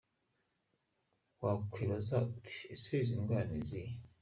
Wakwibaza uti ese izi ndwara ni izihe?.